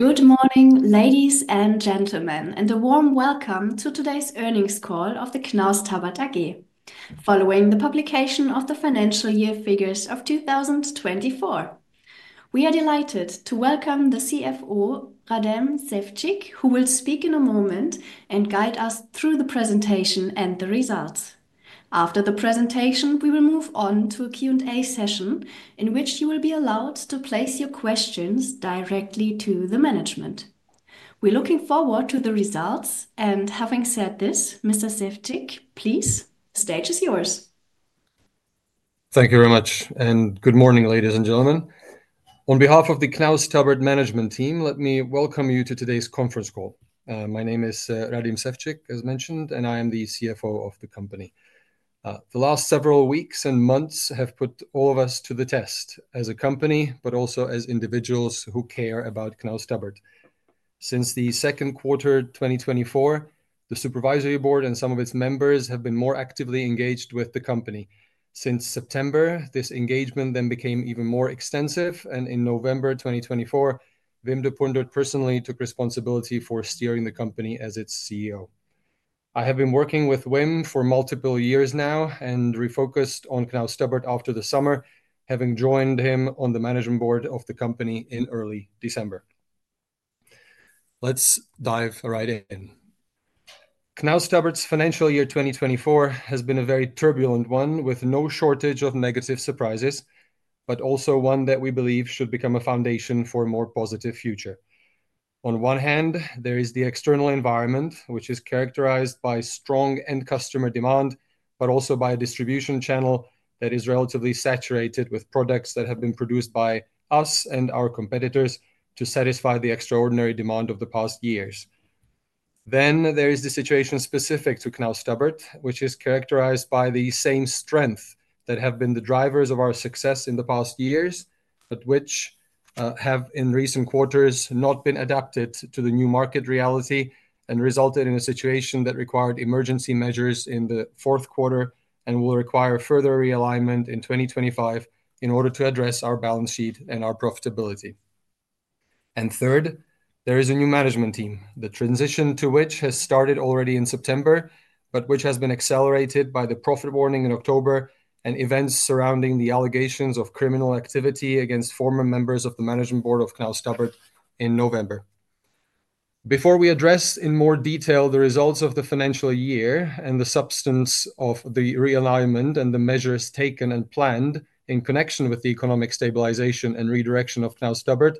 Good morning, ladies and gentlemen, and a warm welcome to today's Earnings Call of Knaus Tabbert AG, following the publication of the financial year figures of 2024. We are delighted to welcome the CFO, Radim Ševčík, who will speak in a moment and guide us through the presentation and the results. After the presentation, we will move on to a Q&A session in which you will be allowed to place your questions directly to the management. We are looking forward to the results. Having said this, Mr. Sevcik, please, the stage is yours. Thank you very much, and good morning, ladies and gentlemen. On behalf of the Knaus Tabbert management team, let me welcome you to today's conference call. My name is Radim Ševčík, as mentioned, and I am the CFO of the company. The last several weeks and months have put all of us to the test as a company, but also as individuals who care about Knaus Tabbert. Since the Q2 2024, the supervisory board and some of its members have been more actively engaged with the company. Since September, this engagement then became even more extensive, and in November 2024, Wim de Pundert personally took responsibility for steering the company as its CEO. I have been working with Wim for multiple years now and refocused on Knaus Tabbert after the summer, having joined him on the management board of the company in early December. Let's dive right in. Knaus Tabbert's financial year 2024 has been a very turbulent one with no shortage of negative surprises, but also one that we believe should become a foundation for a more positive future. On one hand, there is the external environment, which is characterized by strong end customer demand, but also by a distribution channel that is relatively saturated with products that have been produced by us and our competitors to satisfy the extraordinary demand of the past years. There is the situation specific to Knaus Tabbert, which is characterized by the same strengths that have been the drivers of our success in the past years, but which have in recent quarters not been adapted to the new market reality and resulted in a situation that required emergency measures in the Q4 and will require further realignment in 2025 in order to address our balance sheet and our profitability. Third, there is a new management team, the transition to which has started already in September, but which has been accelerated by the profit warning in October and events surrounding the allegations of criminal activity against former members of the management board of Knaus Tabbert in November. Before we address in more detail the results of the financial year and the substance of the realignment and the measures taken and planned in connection with the economic stabilization and redirection of Knaus Tabbert,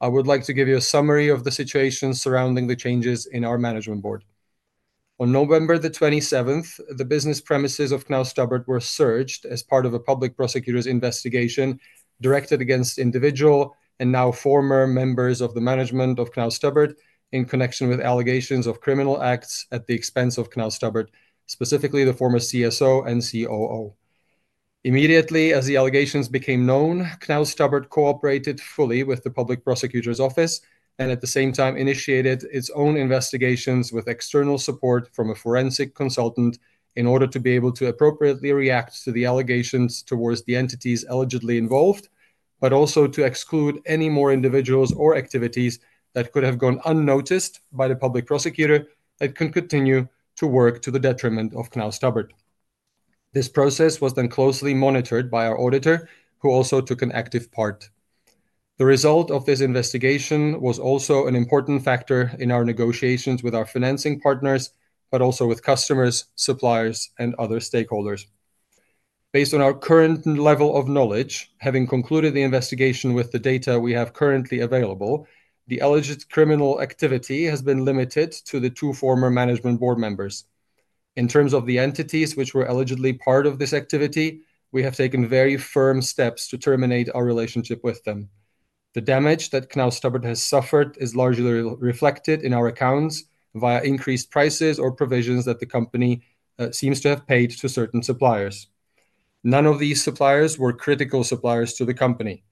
I would like to give you a summary of the situation surrounding the changes in our management board. On 27 November, the business premises of Knaus Tabbert were searched as part of a public prosecutor's investigation directed against individual and now former members of the management of Knaus Tabbert in connection with allegations of criminal acts at the expense of Knaus Tabbert, specifically the former CSO and COO. Immediately as the allegations became known, Knaus Tabbert cooperated fully with the public prosecutor's office and at the same time initiated its own investigations with external support from a forensic consultant in order to be able to appropriately react to the allegations towards the entities allegedly involved, but also to exclude any more individuals or activities that could have gone unnoticed by the public prosecutor that can continue to work to the detriment of Knaus Tabbert. This process was then closely monitored by our auditor, who also took an active part. The result of this investigation was also an important factor in our negotiations with our financing partners, but also with customers, suppliers, and other stakeholders. Based on our current level of knowledge, having concluded the investigation with the data we have currently available, the alleged criminal activity has been limited to the two former management board members. In terms of the entities which were allegedly part of this activity, we have taken very firm steps to terminate our relationship with them. The damage that Knaus Tabbert has suffered is largely reflected in our accounts via increased prices or provisions that the company seems to have paid to certain suppliers. None of these suppliers were critical suppliers to the company.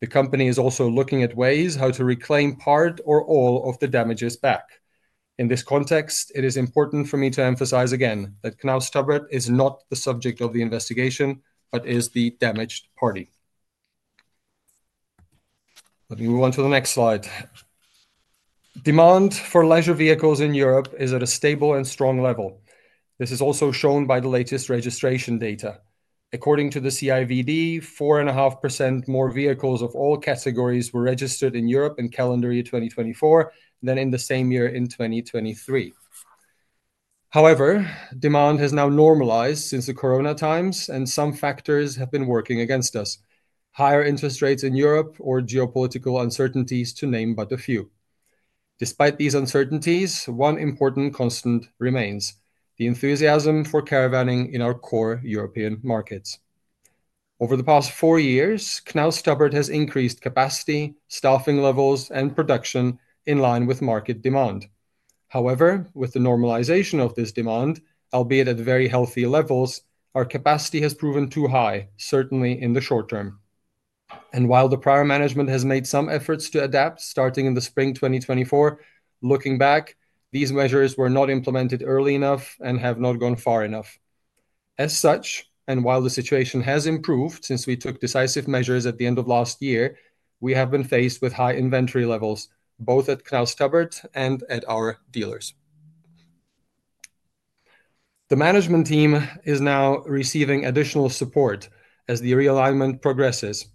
The company is also looking at ways how to reclaim part or all of the damages back. In this context, it is important for me to emphasize again that Knaus Tabbert is not the subject of the investigation, but is the damaged party. Let me move on to the next slide. Demand for leisure vehicles in Europe is at a stable and strong level. This is also shown by the latest registration data. According to the CIVD, 4.5% more vehicles of all categories were registered in Europe in calendar year 2024 than in the same year in 2023. However, demand has now normalized since the corona times, and some factors have been working against us: higher interest rates in Europe or geopolitical uncertainties, to name but a few. Despite these uncertainties, one important constant remains: the enthusiasm for caravanning in our core European markets. Over the past four years, Knaus Tabbert has increased capacity, staffing levels, and production in line with market demand. However, with the normalization of this demand, albeit at very healthy levels, our capacity has proven too high, certainly in the short term. While the prior management has made some efforts to adapt starting in the spring 2024, looking back, these measures were not implemented early enough and have not gone far enough. As such, while the situation has improved since we took decisive measures at the end of last year, we have been faced with high inventory levels, both at Knaus Tabbert and at our dealers. The management team is now receiving additional support as the realignment progresses.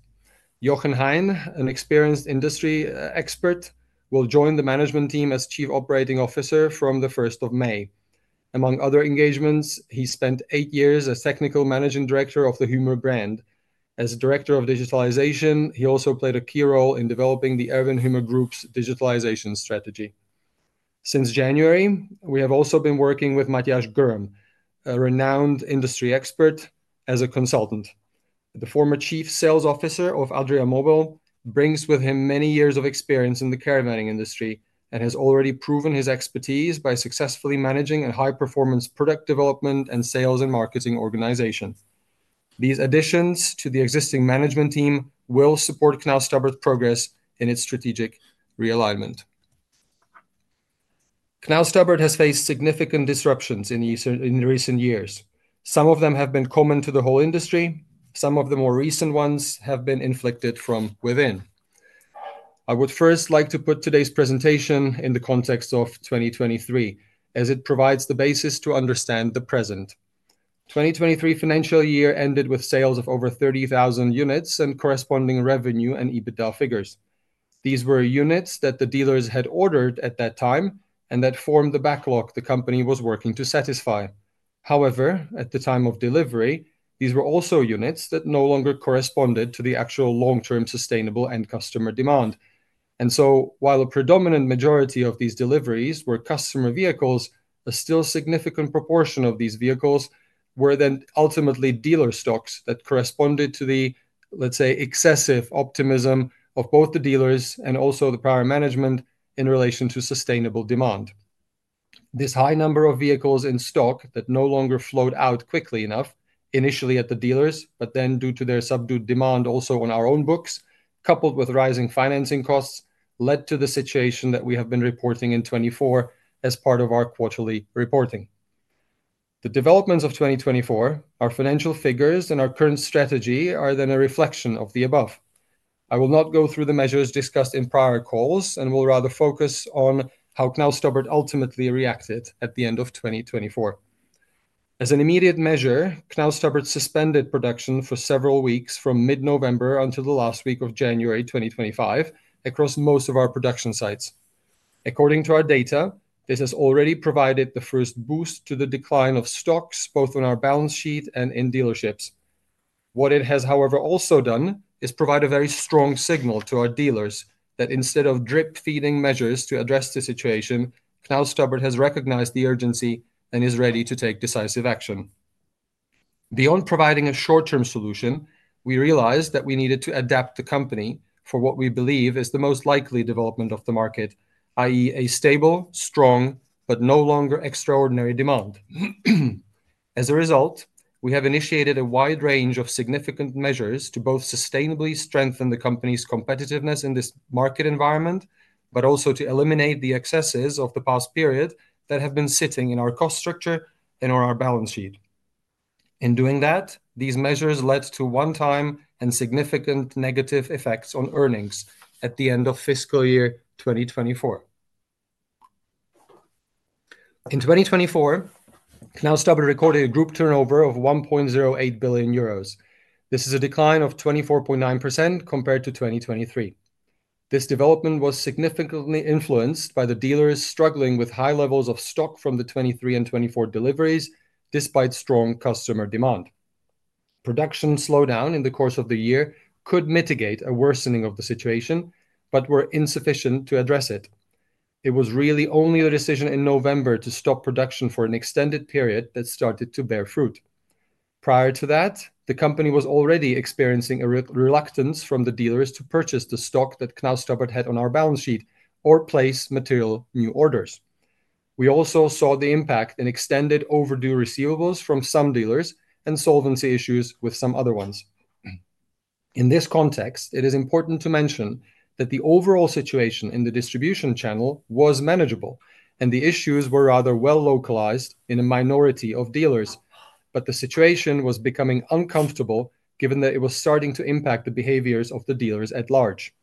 Jochen Hein, an experienced industry expert, will join the management team as Chief Operating Officer from the 1st of May. Among other engagements, he spent eight years as Technical Managing Director of the Knaus brand. As Director of Digitalization, he also played a key role in developing the Erwin Hymer Group's digitalization strategy. Since January, we have also been working with Matjaž Grm a renowned industry expert, as a consultant. The former Chief Sales Officer of Adria Mobil brings with him many years of experience in the caravanning industry and has already proven his expertise by successfully managing a high-performance product development and sales and marketing organization. These additions to the existing management team will support Knaus Tabbert's progress in its strategic realignment. Knaus Tabbert has faced significant disruptions in recent years. Some of them have been common to the whole industry. Some of the more recent ones have been inflicted from within. I would first like to put today's presentation in the context of 2023, as it provides the basis to understand the present. 2023 financial year ended with sales of over 30,000 units and corresponding revenue and EBITDA figures. These were units that the dealers had ordered at that time and that formed the backlog the company was working to satisfy. However, at the time of delivery, these were also units that no longer corresponded to the actual long-term sustainable end customer demand. While a predominant majority of these deliveries were customer vehicles, a still significant proportion of these vehicles were then ultimately dealer stocks that corresponded to the, let's say, excessive optimism of both the dealers and also the prior management in relation to sustainable demand. This high number of vehicles in stock that no longer flowed out quickly enough initially at the dealers, but then due to their subdued demand also on our own books, coupled with rising financing costs, led to the situation that we have been reporting in 2024 as part of our quarterly reporting. The developments of 2024, our financial figures, and our current strategy are then a reflection of the above. I will not go through the measures discussed in prior calls and will rather focus on how Knaus Tabbert ultimately reacted at the end of 2024. As an immediate measure, Knaus Tabbert suspended production for several weeks from mid-November until the last week of January 2025 across most of our production sites. According to our data, this has already provided the first boost to the decline of stocks both on our balance sheet and in dealerships. What it has, however, also done is provide a very strong signal to our dealers that instead of drip-feeding measures to address the situation, Knaus Tabbert has recognized the urgency and is ready to take decisive action. Beyond providing a short-term solution, we realized that we needed to adapt the company for what we believe is the most likely development of the market, i.e, a stable, strong, but no longer extraordinary demand. As a result, we have initiated a wide range of significant measures to both sustainably strengthen the company's competitiveness in this market environment, but also to eliminate the excesses of the past period that have been sitting in our cost structure and on our balance sheet. In doing that, these measures led to one-time and significant negative effects on earnings at the end of fiscal year 2024. In 2024, Knaus Tabbert recorded a group turnover of 1.08 billion euros. This is a decline of 24.9% compared to 2023. This development was significantly influenced by the dealers struggling with high levels of stock from the 2023 and 2024 deliveries, despite strong customer demand. Production slowdown in the course of the year could mitigate a worsening of the situation, but were insufficient to address it. It was really only a decision in November to stop production for an extended period that started to bear fruit. Prior to that, the company was already experiencing a reluctance from the dealers to purchase the stock that Knaus Tabbert had on our balance sheet or place material new orders. We also saw the impact in extended overdue receivables from some dealers and solvency issues with some other ones. In this context, it is important to mention that the overall situation in the distribution channel was manageable and the issues were rather well localized in a minority of dealers, but the situation was becoming uncomfortable given that it was starting to impact the behaviors of the dealers at large.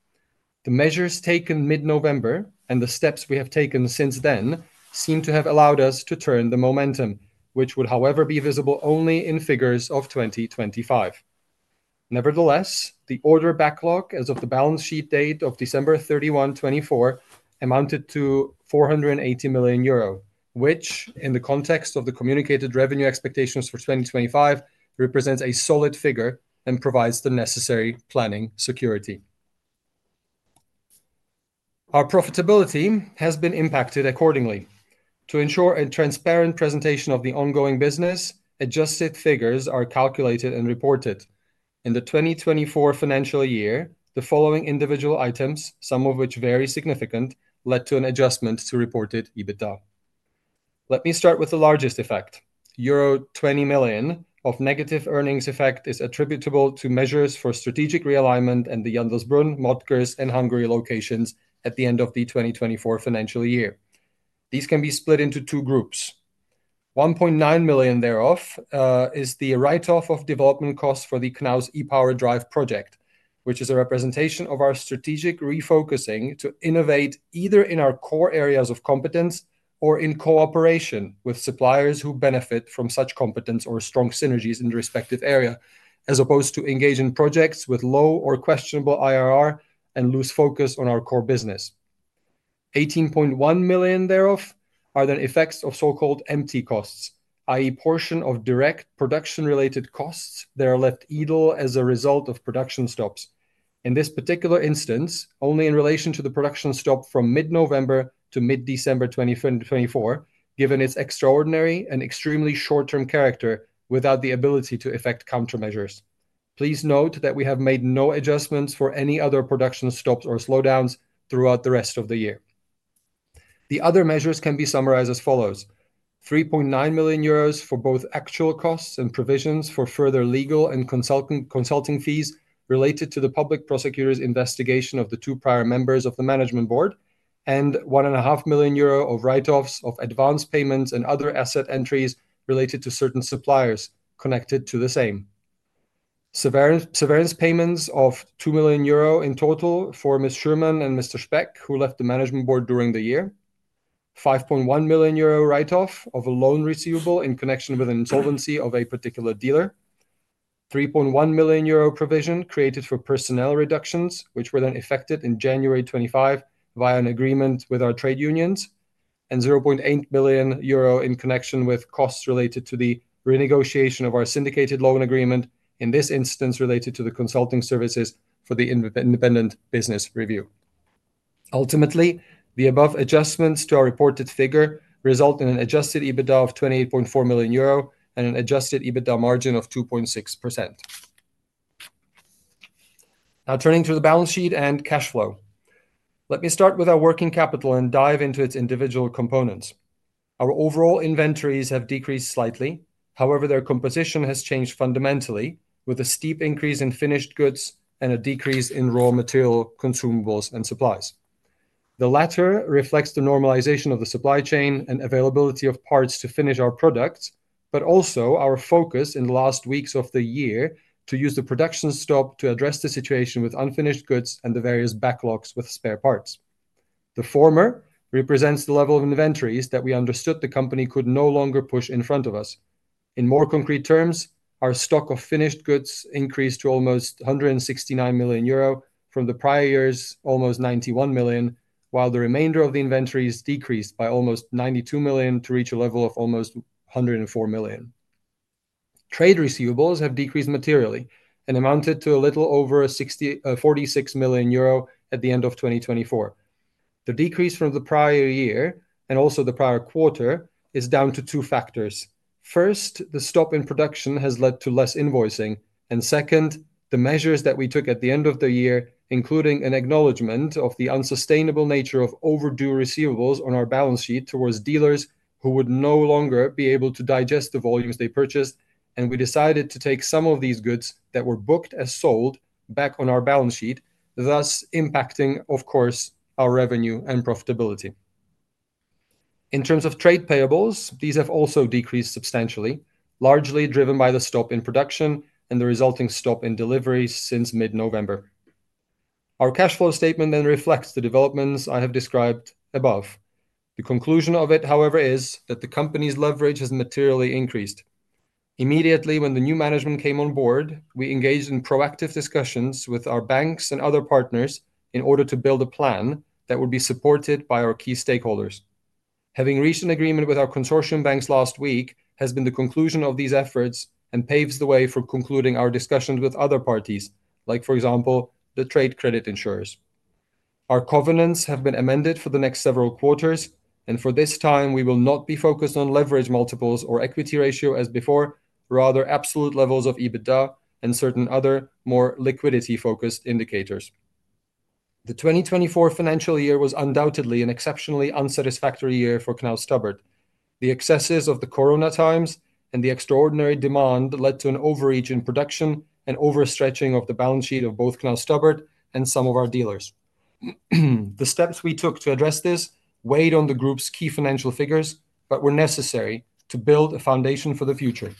The measures taken mid-November and the steps we have taken since then seem to have allowed us to turn the momentum, which would, however, be visible only in figures of 2025. Nevertheless, the order backlog as of the balance sheet date of 31 December 2024, amounted to 480 million euro, which, in the context of the communicated revenue expectations for 2025, represents a solid figure and provides the necessary planning security. Our profitability has been impacted accordingly. To ensure a transparent presentation of the ongoing business, adjusted figures are calculated and reported. In the 2024 financial year, the following individual items, some of which are very significant, led to an adjustment to reported EBITDA. Let me start with the largest effect. Euro 20 million of negative earnings effect is attributable to measures for strategic realignment and the Jandelsbrunn, Mattersburg, and Hungary locations at the end of the 2024 financial year. These can be split into two groups. 1.9 million thereof is the write-off of development costs for the The KNAUS E.POWER DRIVE project, which is a representation of our strategic refocusing to innovate either in our core areas of competence or in cooperation with suppliers who benefit from such competence or strong synergies in the respective area, as opposed to engaging projects with low or questionable IRR and loose focus on our core business. 18.1 million thereof are then effects of so-called empty costs, i.e., a portion of direct production-related costs that are left idle as a result of production stops. In this particular instance, only in relation to the production stop from mid-November to mid-December 2024, given its extraordinary and extremely short-term character without the ability to effect countermeasures. Please note that we have made no adjustments for any other production stops or slowdowns throughout the rest of the year. The other measures can be summarized as follows: 3.9 million euros for both actual costs and provisions for further legal and consulting fees related to the public prosecutor's investigation of the two prior members of the management board, and 1.5 million euro of write-offs of advance payments and other asset entries related to certain suppliers connected to the same. Severance payments of 2 million euro in total for Ms. Schürmann and Mr. Speck, who left the management board during the year. 5.1 million euro write-off of a loan receivable in connection with an insolvency of a particular dealer. 3.1 million euro provision created for personnel reductions, which were then effected in January 2025 via an agreement with our trade unions. 0.8 million euro in connection with costs related to the renegotiation of our syndicated loan agreement, in this instance related to the consulting services for the independent business review. Ultimately, the above adjustments to our reported figure result in an adjusted EBITDA of 28.4 million euro and an adjusted EBITDA margin of 2.6%. Now turning to the balance sheet and cash flow. Let me start with our working capital and dive into its individual components. Our overall inventories have decreased slightly. However, their composition has changed fundamentally, with a steep increase in finished goods and a decrease in raw material consumables and supplies. The latter reflects the normalization of the supply chain and availability of parts to finish our products, but also our focus in the last weeks of the year to use the production stop to address the situation with unfinished goods and the various backlogs with spare parts. The former represents the level of inventories that we understood the company could no longer push in front of us. In more concrete terms, our stock of finished goods increased to almost 169 million euro from the prior year's almost 91 million, while the remainder of the inventories decreased by almost 92 million to reach a level of almost 104 million. Trade receivables have decreased materially and amounted to a little over 46 million euro at the end of 2024. The decrease from the prior year and also the prior quarter is down to two factors. First, the stop in production has led to less invoicing. Second, the measures that we took at the end of the year, including an acknowledgment of the unsustainable nature of overdue receivables on our balance sheet towards dealers who would no longer be able to digest the volumes they purchased, and we decided to take some of these goods that were booked as sold back on our balance sheet, thus impacting, of course, our revenue and profitability. In terms of trade payables, these have also decreased substantially, largely driven by the stop in production and the resulting stop in deliveries since mid-November. Our cash flow statement then reflects the developments I have described above. The conclusion of it, however, is that the company's leverage has materially increased. Immediately when the new management came on board, we engaged in proactive discussions with our banks and other partners in order to build a plan that would be supported by our key stakeholders. Having reached an agreement with our consortium banks last week has been the conclusion of these efforts and paves the way for concluding our discussions with other parties, like, for example, the trade credit insurers. Our covenants have been amended for the next several quarters, and for this time, we will not be focused on leverage multiples or equity ratio as before, rather absolute levels of EBITDA and certain other more liquidity-focused indicators. The 2024 financial year was undoubtedly an exceptionally unsatisfactory year for Knaus Tabbert. The excesses of the corona times and the extraordinary demand led to an overreach in production and overstretching of the balance sheet of both Knaus Tabbert and some of our dealers. The steps we took to address this weighed on the group's key financial figures, but were necessary to build a foundation for the future.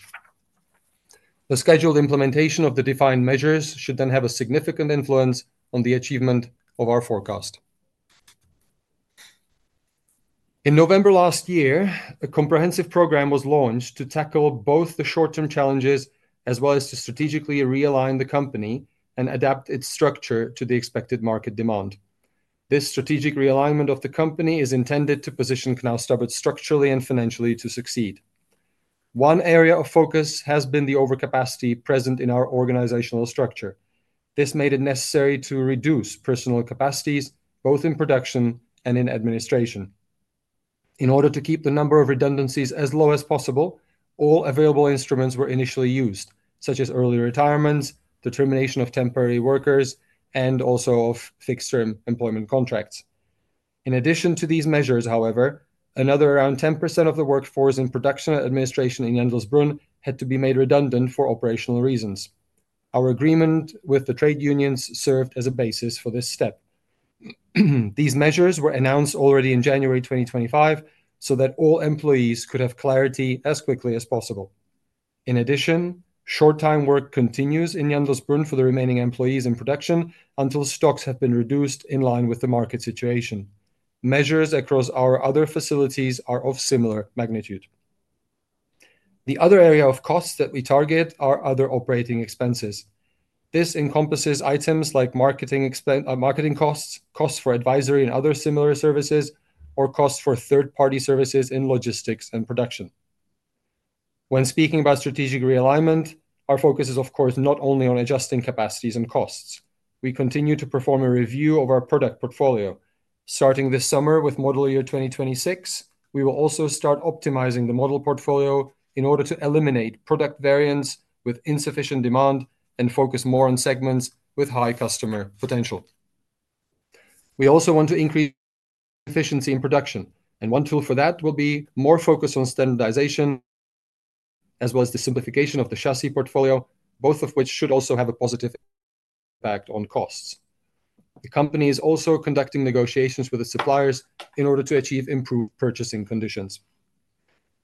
The scheduled implementation of the defined measures should then have a significant influence on the achievement of our forecast. In November last year, a comprehensive program was launched to tackle both the short-term challenges as well as to strategically realign the company and adapt its structure to the expected market demand. This strategic realignment of the company is intended to position Knaus Tabbert structurally and financially to succeed. One area of focus has been the overcapacity present in our organizational structure. This made it necessary to reduce personal capacities, both in production and in administration. In order to keep the number of redundancies as low as possible, all available instruments were initially used, such as early retirements, the termination of temporary workers, and also of fixed-term employment contracts. In addition to these measures, however, another around 10% of the workforce in production administration in Jandelsbrunn had to be made redundant for operational reasons. Our agreement with the trade unions served as a basis for this step. These measures were announced already in January 2025 so that all employees could have clarity as quickly as possible. In addition, short-time work continues in Jandelsbrunn for the remaining employees in production until stocks have been reduced in line with the market situation. Measures across our other facilities are of similar magnitude. The other area of costs that we target are other operating expenses. This encompasses items like marketing costs, costs for advisory and other similar services, or costs for third-party services in logistics and production. When speaking about strategic realignment, our focus is, of course, not only on adjusting capacities and costs. We continue to perform a review of our product portfolio. Starting this summer with model year 2026, we will also start optimizing the model portfolio in order to eliminate product variants with insufficient demand and focus more on segments with high customer potential. We also want to increase efficiency in production, and one tool for that will be more focus on standardization, as well as the simplification of the chassis portfolio, both of which should also have a positive impact on costs. The company is also conducting negotiations with its suppliers in order to achieve improved purchasing conditions.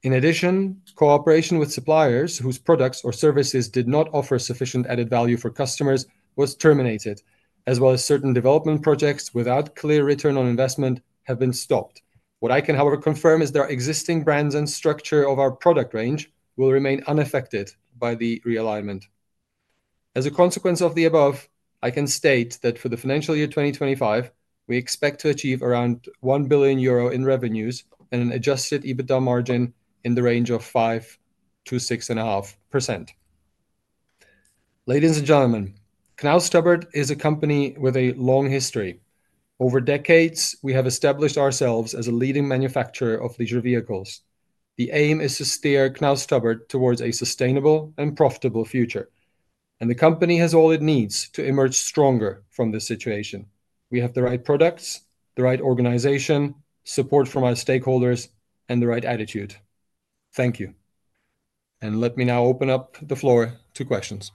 In addition, cooperation with suppliers whose products or services did not offer sufficient added value for customers was terminated, as well as certain development projects without clear return on investment have been stopped. What I can, however, confirm is that our existing brands and structure of our product range will remain unaffected by the realignment. As a consequence of the above, I can state that for the financial year 2025, we expect to achieve around 1 billion euro in revenues and an adjusted EBITDA margin in the range of 5% to 6.5%. Ladies and gentlemen, Knaus Tabbert is a company with a long history. Over decades, we have established ourselves as a leading manufacturer of leisure vehicles. The aim is to steer Knaus Tabbert towards a sustainable and profitable future, and the company has all it needs to emerge stronger from this situation. We have the right products, the right organization, support from our stakeholders, and the right attitude. Thank you. Let me now open up the floor to questions.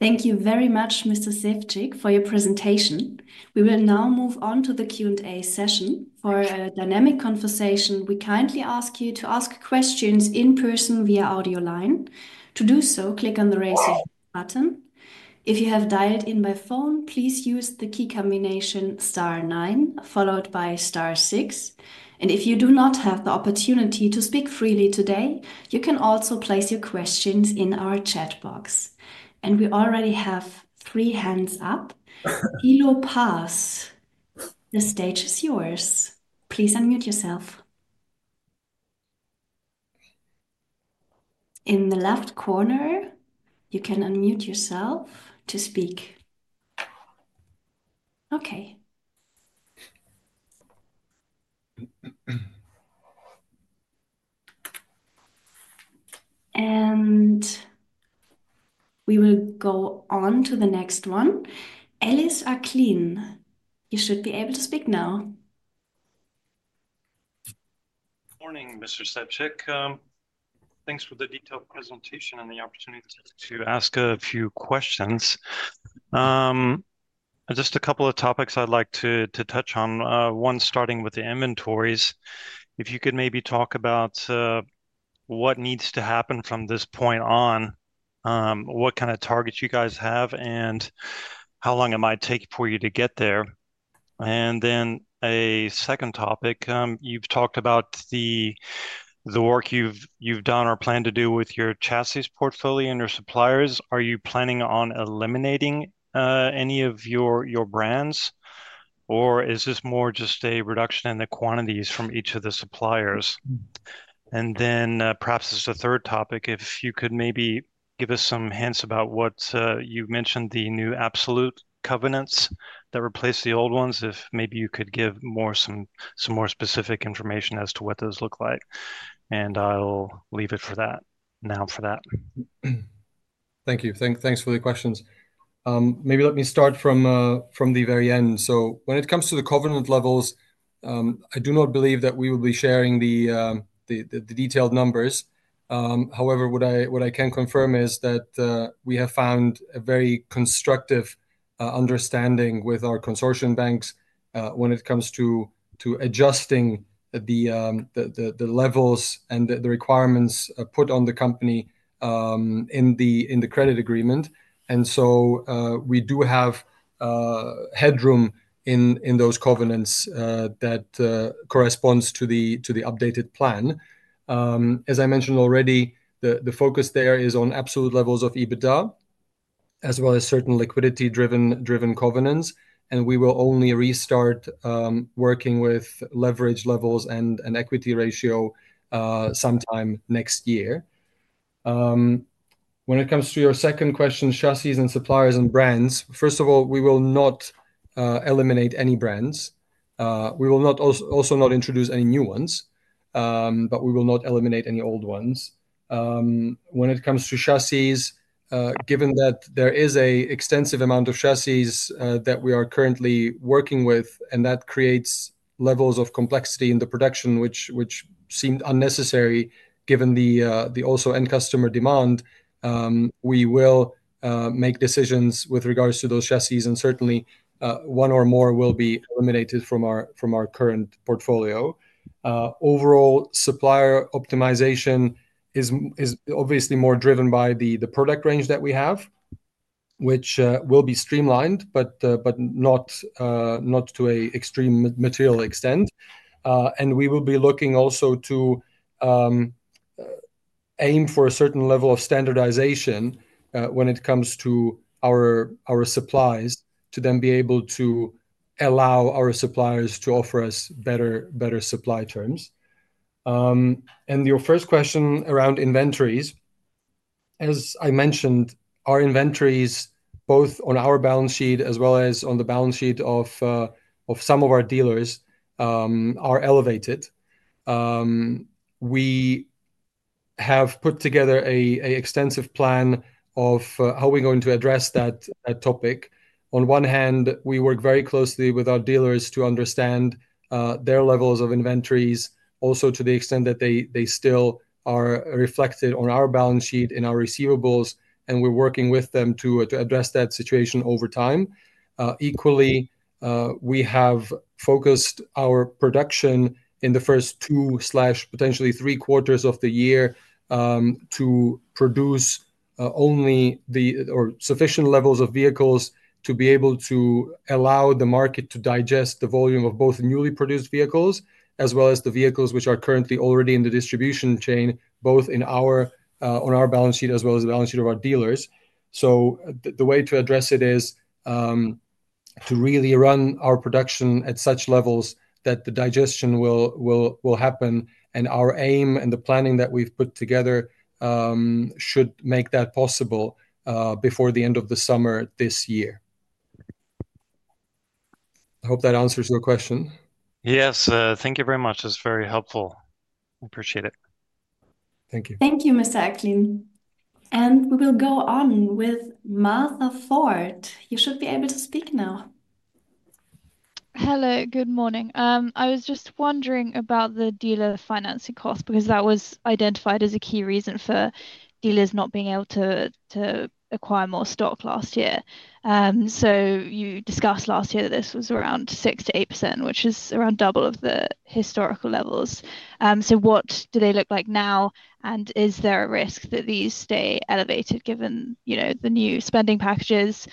Thank you very much, Mr. Sevcik, for your presentation. We will now move on to the Q&A session. For a dynamic conversation, we kindly ask you to ask questions in person via audio line. To do so, click on the raise your hand button. If you have dialed in by phone, please use the key combination Star nine, followed by Star six. If you do not have the opportunity to speak freely today, you can also place your questions in our chat box. We already have three hands up. Ilo Paz, the stage is yours. Please unmute yourself. In the left corner, you can unmute yourself to speak. Okay. We will go on to the next one. Ellis Acklin, you should be able to speak now. Good morning, Mr. Sevcik. Thanks for the detailed presentation and the opportunity to ask a few questions. Just a couple of topics I'd like to touch on, one starting with the inventories. If you could maybe talk about what needs to happen from this point on, what kind of targets you guys have, and how long it might take for you to get there. A second topic, you've talked about the work you've done or plan to do with your chassis portfolio and your suppliers. Are you planning on eliminating any of your brands, or is this more just a reduction in the quantities from each of the suppliers? Perhaps as a third topic, if you could maybe give us some hints about what you mentioned, the new absolute covenants that replace the old ones, if maybe you could give some more specific information as to what those look like. I'll leave it for that now. Thank you. Thanks for the questions. Maybe let me start from the very end. When it comes to the covenant levels, I do not believe that we will be sharing the detailed numbers. However, what I can confirm is that we have found a very constructive understanding with our consortium banks when it comes to adjusting the levels and the requirements put on the company in the credit agreement. We do have headroom in those covenants that corresponds to the updated plan. As I mentioned already, the focus there is on absolute levels of EBITDA, as well as certain liquidity-driven covenants. We will only restart working with leverage levels and equity ratio sometime next year. When it comes to your second question, chassis and suppliers and brands, first of all, we will not eliminate any brands. We will also not introduce any new ones, but we will not eliminate any old ones. When it comes to chassis, given that there is an extensive amount of chassis that we are currently working with, and that creates levels of complexity in the production, which seemed unnecessary given the also end customer demand, we will make decisions with regards to those chassis, and certainly one or more will be eliminated from our current portfolio. Overall, supplier optimization is obviously more driven by the product range that we have, which will be streamlined, but not to an extreme material extent. We will be looking also to aim for a certain level of standardization when it comes to our supplies to then be able to allow our suppliers to offer us better supply terms. Your first question around inventories, as I mentioned, our inventories, both on our balance sheet as well as on the balance sheet of some of our dealers, are elevated. We have put together an extensive plan of how we're going to address that topic. On one hand, we work very closely with our dealers to understand their levels of inventories, also to the extent that they still are reflected on our balance sheet in our receivables, and we're working with them to address that situation over time. Equally, we have focused our production in the first two slash potentially three quarters of the year to produce only the or sufficient levels of vehicles to be able to allow the market to digest the volume of both newly produced vehicles as well as the vehicles which are currently already in the distribution chain, both on our balance sheet as well as the balance sheet of our dealers. The way to address it is to really run our production at such levels that the digestion will happen, and our aim and the planning that we've put together should make that possible before the end of the summer this year. I hope that answers your question. Yes, thank you very much. It's very helpful. I appreciate it. Thank you. Thank you, Mr. Acklin. We will go on with Martha Ford. You should be able to speak now. Hello, good morning. I was just wondering about the dealer financing cost because that was identified as a key reason for dealers not being able to acquire more stock last year. You discussed last year that this was around 6% to 8%, which is around double of the historical levels. What do they look like now, and is there a risk that these stay elevated given the new spending packages?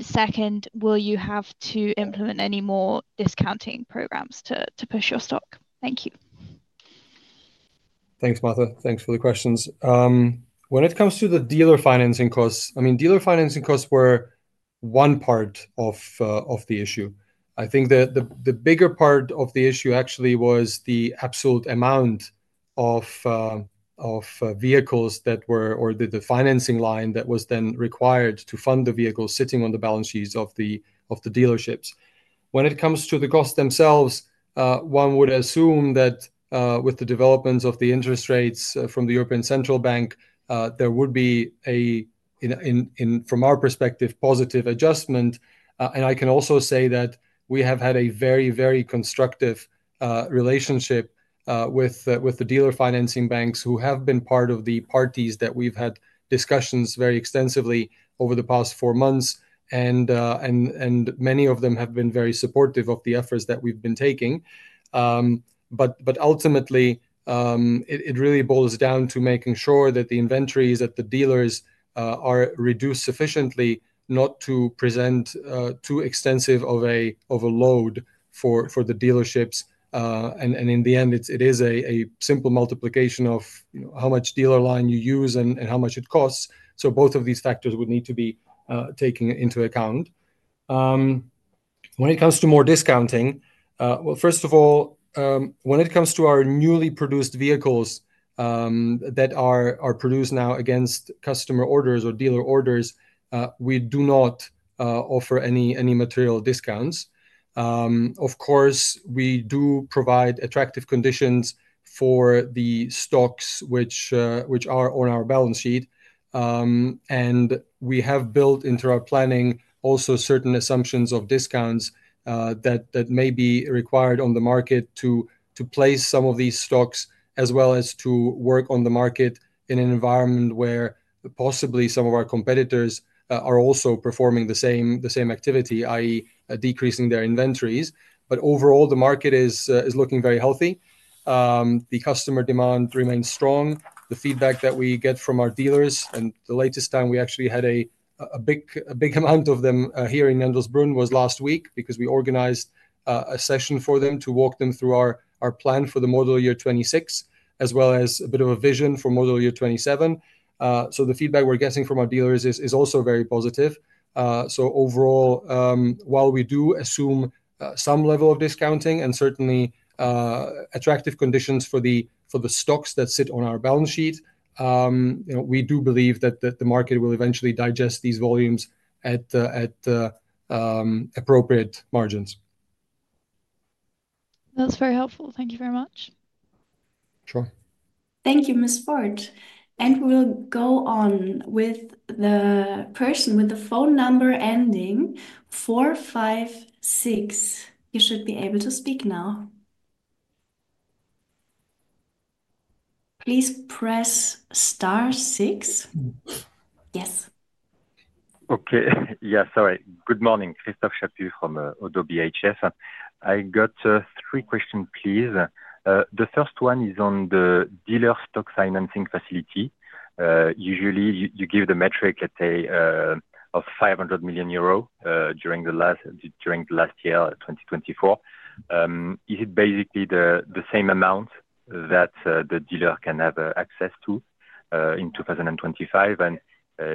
Second, will you have to implement any more discounting programs to push your stock? Thank you. Thanks, Martha. Thanks for the questions. When it comes to the dealer financing costs, I mean, dealer financing costs were one part of the issue. I think the bigger part of the issue actually was the absolute amount of vehicles that were or the financing line that was then required to fund the vehicles sitting on the balance sheets of the dealerships. When it comes to the costs themselves, one would assume that with the developments of the interest rates from the European Central Bank, there would be, from our perspective, a positive adjustment. I can also say that we have had a very, very constructive relationship with the dealer financing banks who have been part of the parties that we've had discussions very extensively over the past four months, and many of them have been very supportive of the efforts that we've been taking. Ultimately, it really boils down to making sure that the inventories at the dealers are reduced sufficiently not to present too extensive of a load for the dealerships. In the end, it is a simple multiplication of how much dealer line you use and how much it costs. Both of these factors would need to be taken into account. When it comes to more discounting, first of all, when it comes to our newly produced vehicles that are produced now against customer orders or dealer orders, we do not offer any material discounts. Of course, we do provide attractive conditions for the stocks which are on our balance sheet. We have built into our planning also certain assumptions of discounts that may be required on the market to place some of these stocks as well as to work on the market in an environment where possibly some of our competitors are also performing the same activity, i.e, decreasing their inventories. Overall, the market is looking very healthy. The customer demand remains strong. The feedback that we get from our dealers, and the latest time we actually had a big amount of them here in Jandelsbrunn was last week because we organized a session for them to walk them through our plan for the model year 26, as well as a bit of a vision for model year 27. The feedback we're getting from our dealers is also very positive. Overall, while we do assume some level of discounting and certainly attractive conditions for the stocks that sit on our balance sheet, we do believe that the market will eventually digest these volumes at appropriate margins. That's very helpful. Thank you very much. Sure. Thank you, Ms. Ford. We will go on with the person with the phone number ending four five six. You should be able to speak now. Please press Star six. Yes. Okay. Yes, sorry. Good morning. Christopher from Oddo BHF. I got three questions, please. The first one is on the dealer stock financing facility. Usually, you give the metric, let's say, of 500 million euro during the last year 2024. Is it basically the same amount that the dealer can have access to in 2025?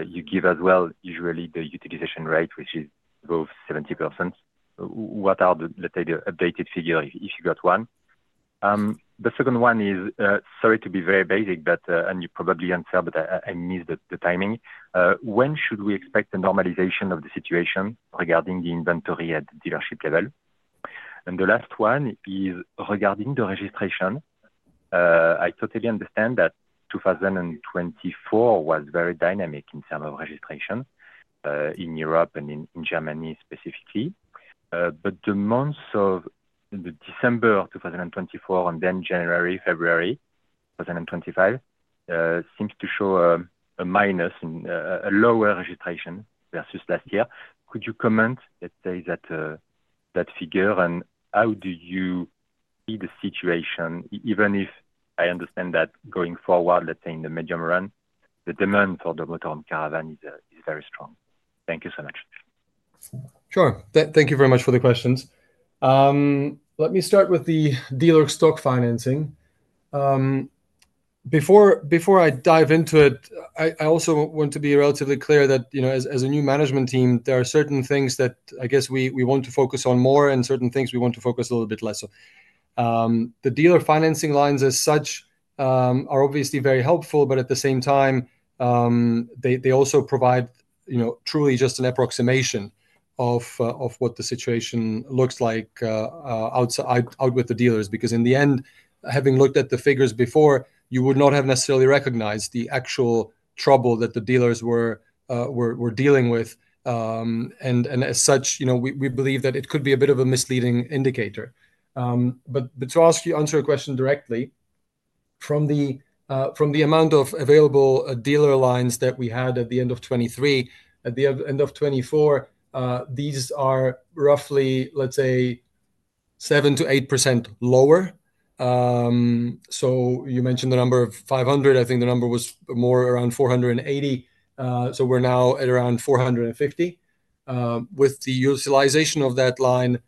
You give as well, usually, the utilization rate, which is about 70%. What are the, let's say, the updated figure if you got one? The second one is, sorry to be very basic, and you probably answered, but I missed the timing. When should we expect the normalization of the situation regarding the inventory at the dealership level? The last one is regarding the registration. I totally understand that 2024 was very dynamic in terms of registration in Europe and in Germany specifically. The months of December 2024 and then January, February 2025 seem to show a minus, a lower registration versus last year. Could you comment, let's say, that figure, and how do you see the situation, even if I understand that going forward, let's say, in the medium run, the demand for the motorhome caravan is very strong? Thank you so much. Sure, thank you very much for the questions. Let me start with the dealer stock financing. Before I dive into it, I also want to be relatively clear that as a new management team, there are certain things that I guess we want to focus on more and certain things we want to focus a little bit less on. The dealer financing lines as such are obviously very helpful, but at the same time, they also provide truly just an approximation of what the situation looks like out with the dealers. Because in the end, having looked at the figures before, you would not have necessarily recognized the actual trouble that the dealers were dealing with. As such, we believe that it could be a bit of a misleading indicator. To answer your question directly, from the amount of available dealer lines that we had at the end of 2023, at the end of 2024, these are roughly, let's say, 7% to 8% lower. You mentioned the number of 500. I think the number was more around 480. We are now at around 450, with the utilization of that line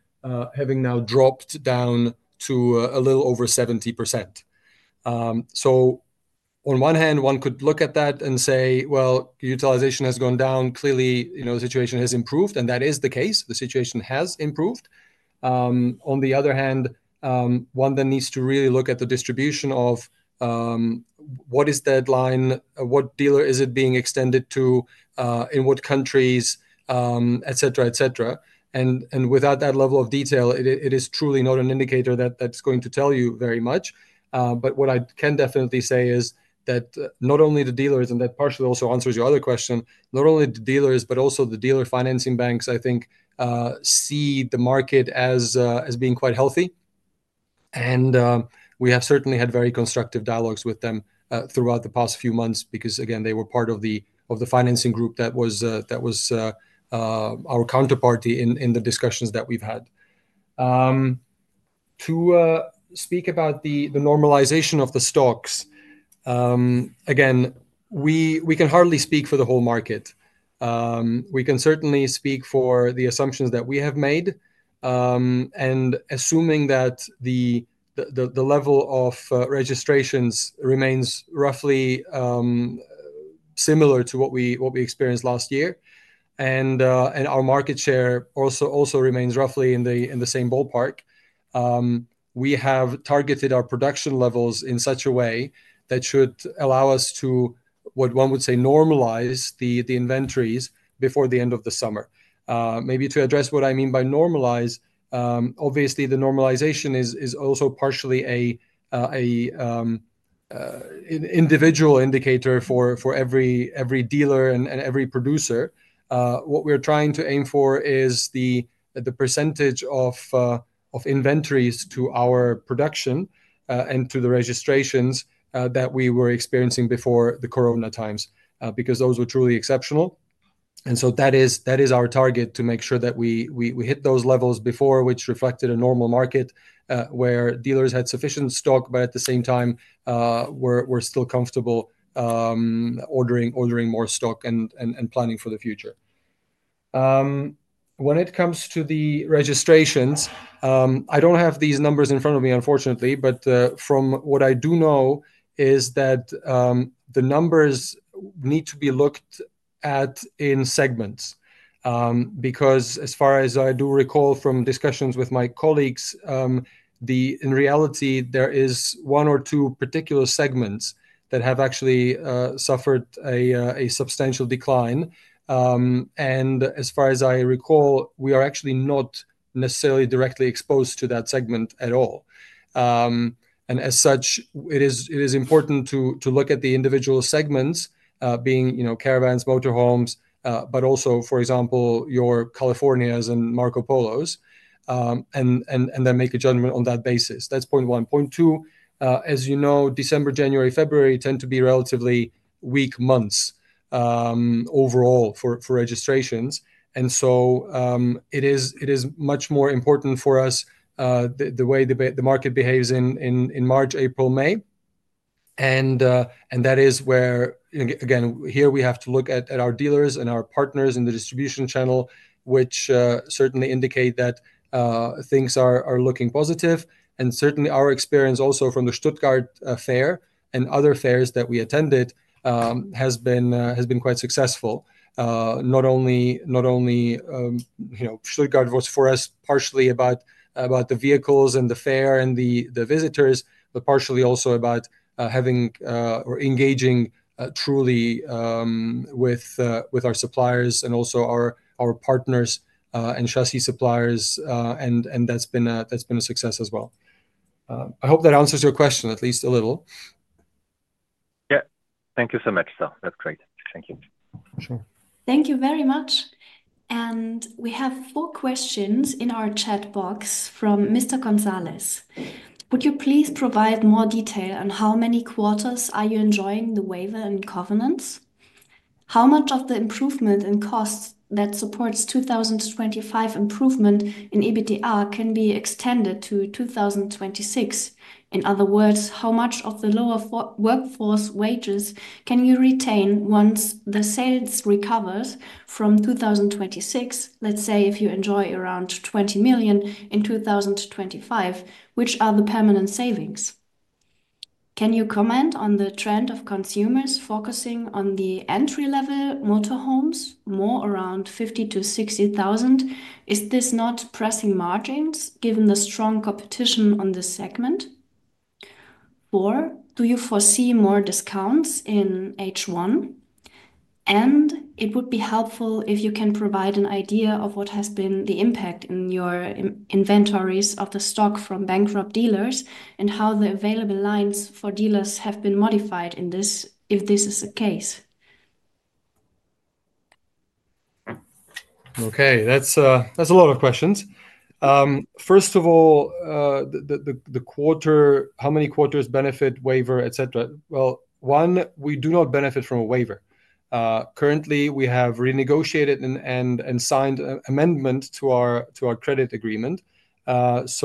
having now dropped down to a little over 70%. One could look at that and say, "Well, utilization has gone down. Clearly, the situation has improved." That is the case. The situation has improved. On the other hand, one then needs to really look at the distribution of what is that line, what dealer is it being extended to, in what countries, etc, etc. Without that level of detail, it is truly not an indicator that is going to tell you very much. What I can definitely say is that not only the dealers, and that partially also answers your other question, not only the dealers, but also the dealer financing banks, I think, see the market as being quite healthy. We have certainly had very constructive dialogues with them throughout the past few months because, again, they were part of the financing group that was our counterparty in the discussions that we've had. To speak about the normalization of the stocks, again, we can hardly speak for the whole market. We can certainly speak for the assumptions that we have made. Assuming that the level of registrations remains roughly similar to what we experienced last year and our market share also remains roughly in the same ballpark, we have targeted our production levels in such a way that should allow us to, what one would say, normalize the inventories before the end of the summer. Maybe to address what I mean by normalize, obviously, the normalization is also partially an individual indicator for every dealer and every producer. What we're trying to aim for is the percentage of inventories to our production and to the registrations that we were experiencing before the corona times because those were truly exceptional. That is our target to make sure that we hit those levels before, which reflected a normal market where dealers had sufficient stock, but at the same time, were still comfortable ordering more stock and planning for the future. When it comes to the registrations, I don't have these numbers in front of me, unfortunately, but from what I do know is that the numbers need to be looked at in segments. Because as far as I do recall from discussions with my colleagues, in reality, there is one or two particular segments that have actually suffered a substantial decline. As far as I recall, we are actually not necessarily directly exposed to that segment at all. As such, it is important to look at the individual segments being caravans, motorhomes, but also, for example, your Californias and Marco Polos, and then make a judgment on that basis. That is point one. Point two, as you know, December, January, February tend to be relatively weak months overall for registrations. It is much more important for us the way the market behaves in March, April, May. That is where, again, here we have to look at our dealers and our partners in the distribution channel, which certainly indicate that things are looking positive. Certainly, our experience also from the Stuttgart Fair and other fairs that we attended has been quite successful. Not only Stuttgart was for us partially about the vehicles and the fair and the visitors, but partially also about having or engaging truly with our suppliers and also our partners and chassis suppliers. That has been a success as well. I hope that answers your question at least a little. Yeah. Thank you so much, sir. That's great. Thank you. Sure. Thank you very much. We have four questions in our chat box from Mr. Gonzalez. Would you please provide more detail on how many quarters are you enjoying the waiver and covenants? How much of the improvement in costs that supports 2025 improvement in EBITDA can be extended to 2026? In other words, how much of the lower workforce wages can you retain once the sales recover from 2026? Let's say if you enjoy around 20 million in 2025, which are the permanent savings? Can you comment on the trend of consumers focusing on the entry-level motorhomes, more around 50,000 to 60,000? Is this not pressing margins given the strong competition on this segment? Four, do you foresee more discounts in H1? It would be helpful if you can provide an idea of what has been the impact in your inventories of the stock from bankrupt dealers and how the available lines for dealers have been modified in this if this is the case. Okay. That is a lot of questions. First of all, the quarter, how many quarters benefit, waiver, etc.? One, we do not benefit from a waiver. Currently, we have renegotiated and signed an amendment to our credit agreement. This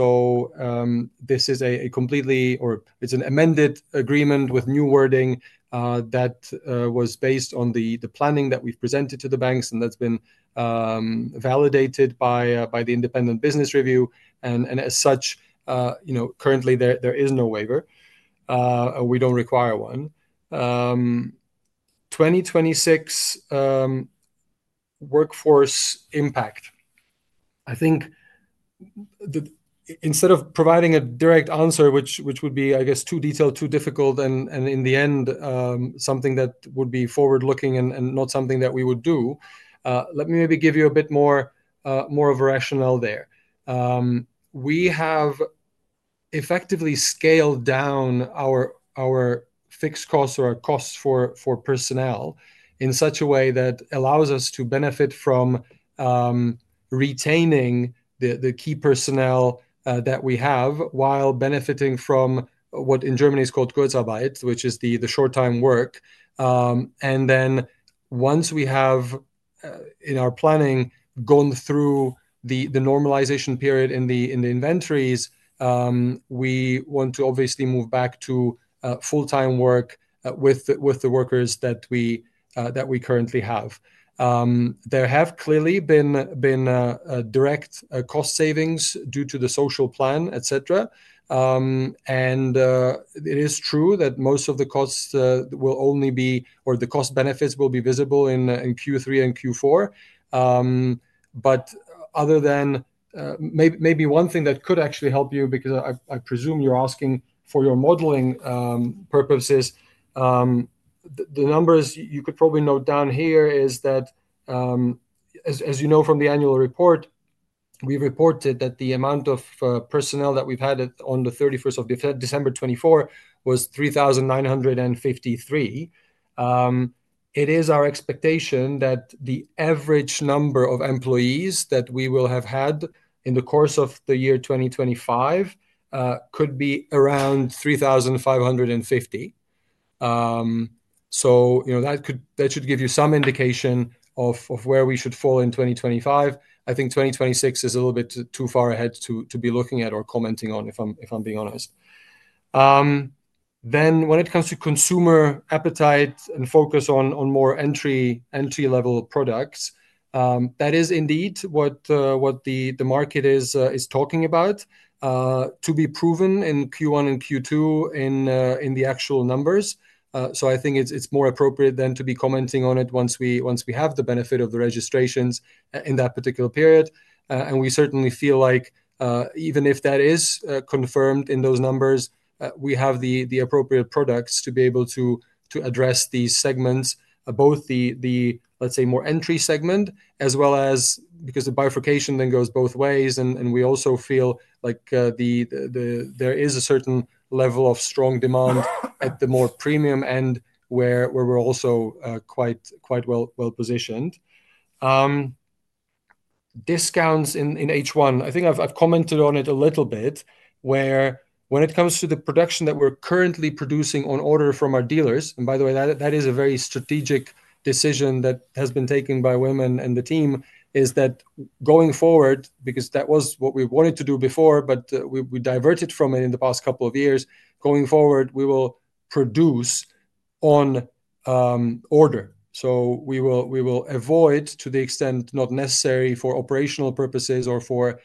is a completely or it's an amended agreement with new wording that was based on the planning that we've presented to the banks, and that's been validated by the independent business review. As such, currently, there is no waiver. We don't require one. 2026 workforce impact. I think instead of providing a direct answer, which would be, I guess, too detailed, too difficult, and in the end, something that would be forward-looking and not something that we would do, let me maybe give you a bit more of a rationale there. We have effectively scaled down our fixed costs or our costs for personnel in such a way that allows us to benefit from retaining the key personnel that we have while benefiting from what in Germany is called Kurzarbeit, which is the short-time work. Once we have, in our planning, gone through the normalization period in the inventories, we want to obviously move back to full-time work with the workers that we currently have. There have clearly been direct cost savings due to the social plan, etc. It is true that most of the costs will only be or the cost benefits will be visible in Q3 and Q4. Other than maybe one thing that could actually help you, because I presume you're asking for your modeling purposes, the numbers you could probably note down here is that, as you know from the annual report, we reported that the amount of personnel that we've had on the 31st of December 2024 was 3,953. It is our expectation that the average number of employees that we will have had in the course of the year 2025 could be around 3,550. That should give you some indication of where we should fall in 2025. I think 2026 is a little bit too far ahead to be looking at or commenting on, if I'm being honest. When it comes to consumer appetite and focus on more entry-level products, that is indeed what the market is talking about, to be proven in Q1 and Q2 in the actual numbers. I think it is more appropriate to be commenting on it once we have the benefit of the registrations in that particular period. We certainly feel like even if that is confirmed in those numbers, we have the appropriate products to be able to address these segments, both the, let's say, more entry segment, as well as because the bifurcation then goes both ways. We also feel like there is a certain level of strong demand at the more premium end where we're also quite well positioned. Discounts in H1. I think I've commented on it a little bit where when it comes to the production that we're currently producing on order from our dealers, and by the way, that is a very strategic decision that has been taken by Wim and the team, is that going forward, because that was what we wanted to do before, but we diverted from it in the past couple of years, going forward, we will produce on order. We will avoid, to the extent not necessary for operational purposes or for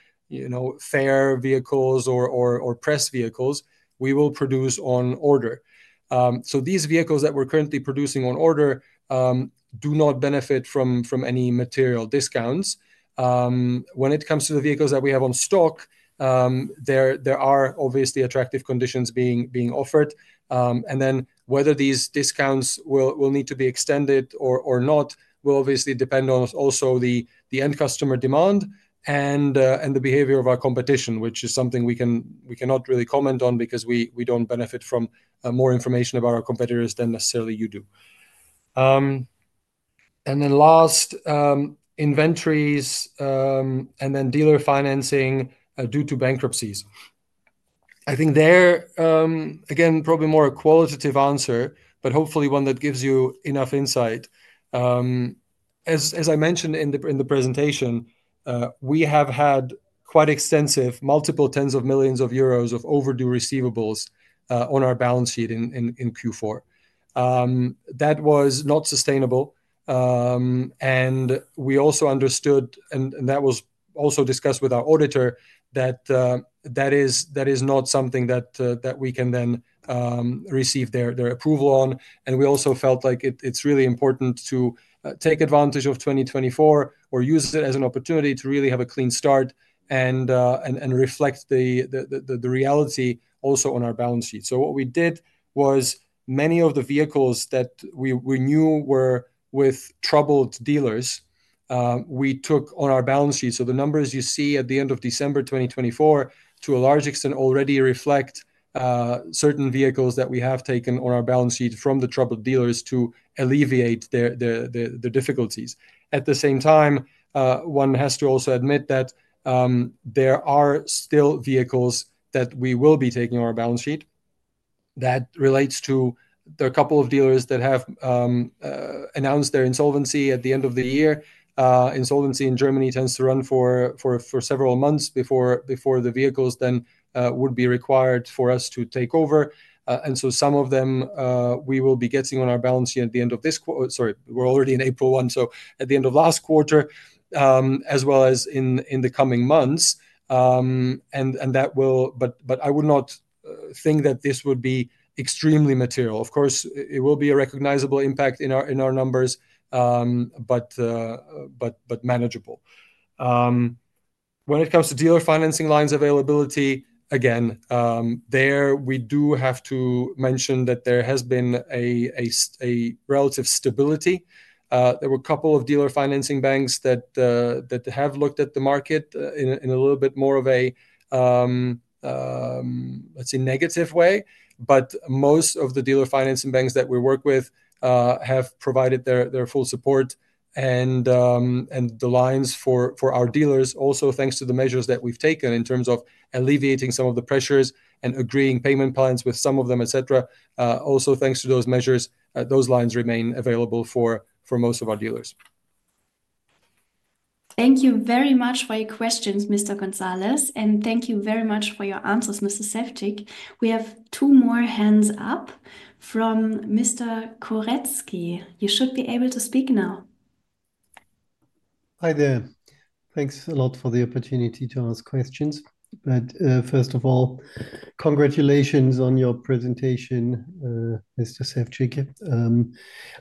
fair vehicles or press vehicles, we will produce on order. These vehicles that we're currently producing on order do not benefit from any material discounts. When it comes to the vehicles that we have on stock, there are obviously attractive conditions being offered. Whether these discounts will need to be extended or not will obviously depend on also the end customer demand and the behavior of our competition, which is something we cannot really comment on because we do not benefit from more information about our competitors than necessarily you do. Last, inventories and then dealer financing due to bankruptcies. I think there, again, probably more a qualitative answer, but hopefully one that gives you enough insight. As I mentioned in the presentation, we have had quite extensive multiple tens of millions of EUR of overdue receivables on our balance sheet in Q4. That was not sustainable. We also understood, and that was also discussed with our auditor, that that is not something that we can then receive their approval on. We also felt like it is really important to take advantage of 2024 or use it as an opportunity to really have a clean start and reflect the reality also on our balance sheet. What we did was many of the vehicles that we knew were with troubled dealers, we took on our balance sheet. The numbers you see at the end of December 2024, to a large extent, already reflect certain vehicles that we have taken on our balance sheet from the troubled dealers to alleviate their difficulties. At the same time, one has to also admit that there are still vehicles that we will be taking on our balance sheet that relates to a couple of dealers that have announced their insolvency at the end of the year. Insolvency in Germany tends to run for several months before the vehicles then would be required for us to take over. Some of them we will be getting on our balance sheet at the end of this quarter. Sorry, we are already in April one, so at the end of last quarter, as well as in the coming months. That will, but I would not think that this would be extremely material. Of course, it will be a recognizable impact in our numbers, but manageable. When it comes to dealer financing lines availability, again, there we do have to mention that there has been a relative stability. There were a couple of dealer financing banks that have looked at the market in a little bit more of a, let's say, negative way. Most of the dealer financing banks that we work with have provided their full support. The lines for our dealers, also thanks to the measures that we've taken in terms of alleviating some of the pressures and agreeing payment plans with some of them, etc, also thanks to those measures, those lines remain available for most of our dealers. Thank you very much for your questions, Mr. Gonzalez and thank you very much for your answers Mr. Sevcik. We have two more hands up from Mr. Koretzki. You should be able to speak now. Hi there. Thanks a lot for the opportunity to ask questions. First of all, congratulations on your presentation, Mr. Sevcik.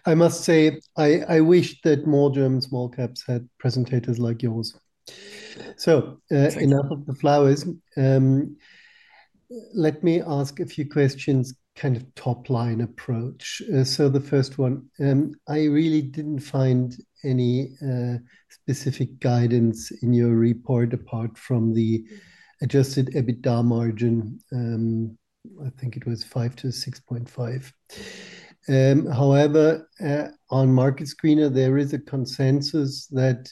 I must say, I wish that German small caps had presentators like yours. Enough of the flowers. Let me ask a few questions, kind of top-line approach. The first one, I really didn't find any specific guidance in your report apart from the adjusted EBITDA margin. I think it was 5% to 6.5%. However, on MarketScreener, there is a consensus that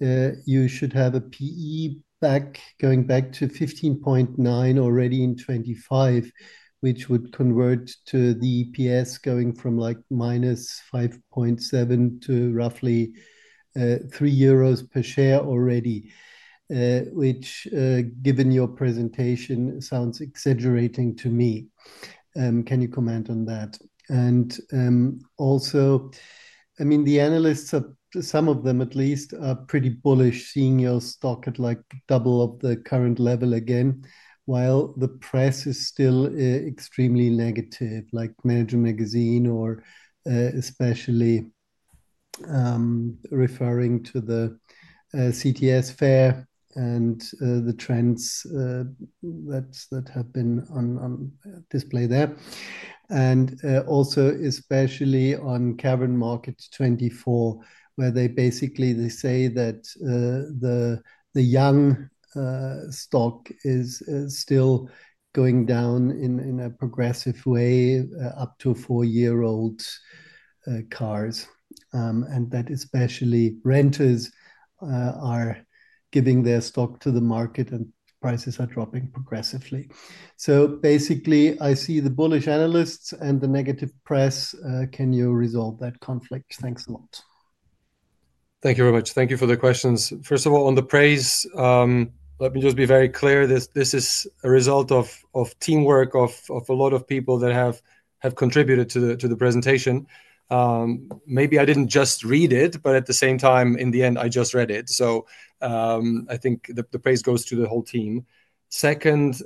you should have a P/E going back to 15.9 already in 2025, which would convert to the EPS going from like -5.7 to roughly 3 euros per share already, which, given your presentation, sounds exaggerating to me. Can you comment on that? Also, I mean, the analysts, some of them at least, are pretty bullish seeing your stock at like double of the current level again, while the press is still extremely negative, like Manager Magazin, or especially referring to the CMT fair and the trends that have been on display there. Also especially on Caravan Market 2024, where they basically say that the young stock is still going down in a progressive way up to four-year-old cars. That especially renters are giving their stock to the market and prices are dropping progressively. Basically, I see the bullish analysts and the negative press. Can you resolve that conflict? Thanks a lot. Thank you very much. Thank you for the questions. First of all, on the praise, let me just be very clear. This is a result of teamwork of a lot of people that have contributed to the presentation. Maybe I did not just read it, but at the same time, in the end, I just read it. I think the praise goes to the whole team. Second,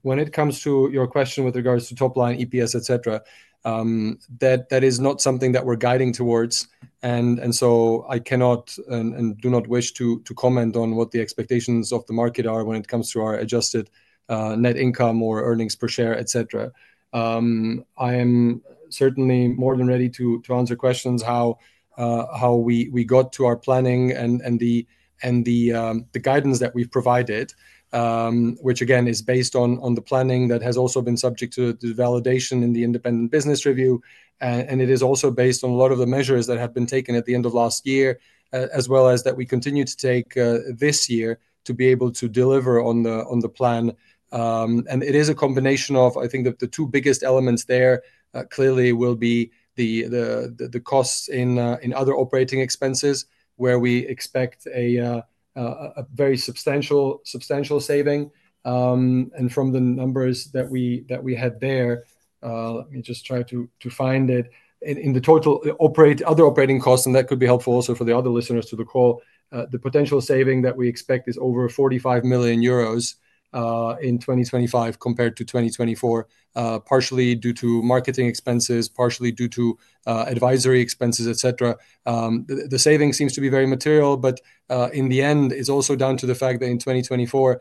when it comes to your question with regards to top-line EPS, etc., that is not something that we are guiding towards. I cannot and do not wish to comment on what the expectations of the market are when it comes to our adjusted net income or earnings per share, etc. I am certainly more than ready to answer questions how we got to our planning and the guidance that we've provided, which again is based on the planning that has also been subject to validation in the independent business review. It is also based on a lot of the measures that have been taken at the end of last year, as well as that we continue to take this year to be able to deliver on the plan. It is a combination of, I think, the two biggest elements there clearly will be the costs in other operating expenses where we expect a very substantial saving. From the numbers that we had there, let me just try to find it. In the total other operating costs, and that could be helpful also for the other listeners to the call, the potential saving that we expect is over 45 million euros in 2025 compared to 2024, partially due to marketing expenses, partially due to advisory expenses, etc. The saving seems to be very material, but in the end, it's also down to the fact that in 2024,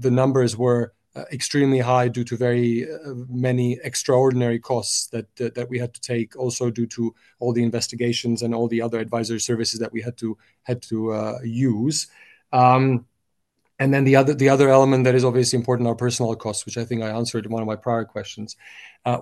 the numbers were extremely high due to very many extraordinary costs that we had to take, also due to all the investigations and all the other advisory services that we had to use. The other element that is obviously important, our personnel costs, which I think I answered in one of my prior questions.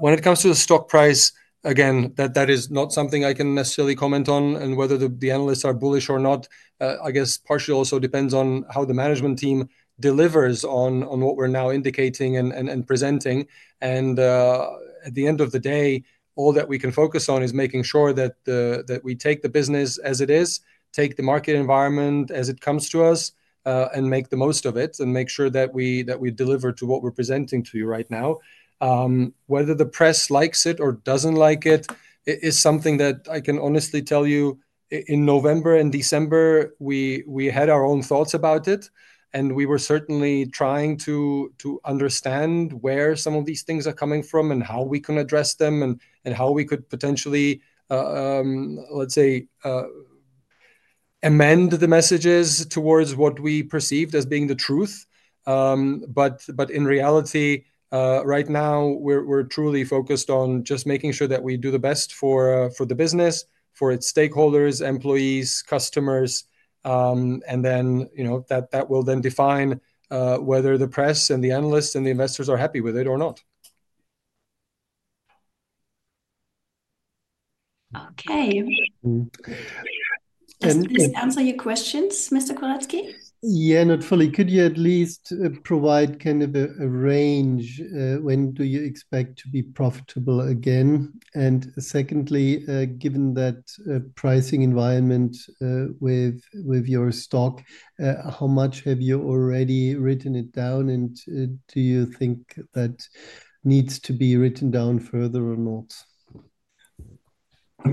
When it comes to the stock price, again, that is not something I can necessarily comment on. Whether the analysts are bullish or not, I guess partially also depends on how the management team delivers on what we're now indicating and presenting. At the end of the day, all that we can focus on is making sure that we take the business as it is, take the market environment as it comes to us, and make the most of it and make sure that we deliver to what we're presenting to you right now. Whether the press likes it or doesn't like it is something that I can honestly tell you. In November and December, we had our own thoughts about it. We were certainly trying to understand where some of these things are coming from and how we can address them and how we could potentially, let's say, amend the messages towards what we perceived as being the truth. In reality, right now, we're truly focused on just making sure that we do the best for the business, for its stakeholders, employees, customers. That will then define whether the press and the analysts and the investors are happy with it or not. Okay. Any answer to your questions, Mr. Koretzki? Yeah, not fully. Could you at least provide kind of a range? When do you expect to be profitable again? Secondly, given that pricing environment with your stock, how much have you already written it down? Do you think that needs to be written down further or not?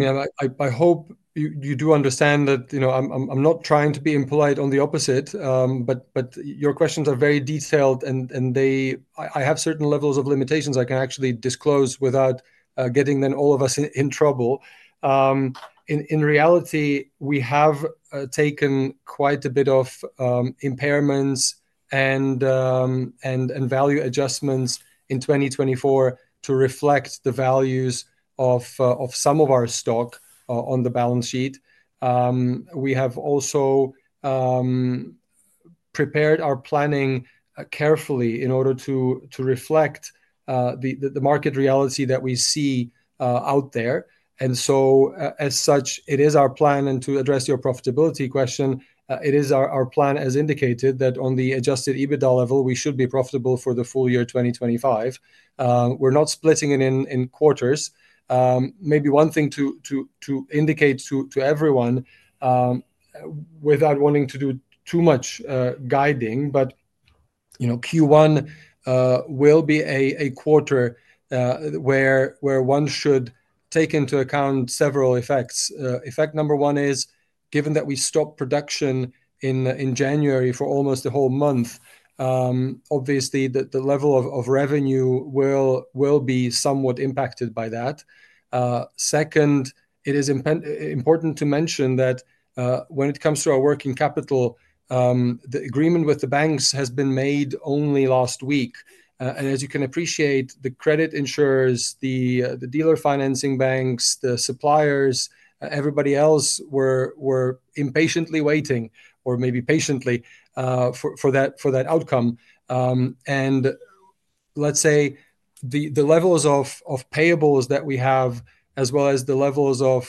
I mean, I hope you do understand that I'm not trying to be impolite on the opposite, but your questions are very detailed, and I have certain levels of limitations I can actually disclose without getting then all of us in trouble. In reality, we have taken quite a bit of impairments and value adjustments in 2024 to reflect the values of some of our stock on the balance sheet. We have also prepared our planning carefully in order to reflect the market reality that we see out there. As such, it is our plan. To address your profitability question, it is our plan as indicated that on the adjusted EBITDA level, we should be profitable for the full year 2025. We're not splitting it in quarters. Maybe one thing to indicate to everyone without wanting to do too much guiding, but Q1 will be a quarter where one should take into account several effects. Effect number one is, given that we stopped production in January for almost a whole month, obviously, the level of revenue will be somewhat impacted by that. Second, it is important to mention that when it comes to our working capital, the agreement with the banks has been made only last week. As you can appreciate, the credit insurers, the dealer financing banks, the suppliers, everybody else were impatiently waiting, or maybe patiently, for that outcome. Let's say the levels of payables that we have, as well as the levels of